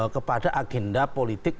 kepada agenda politik